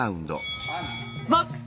ボックス。